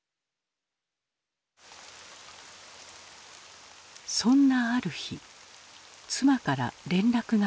そんなある日妻から連絡が入った。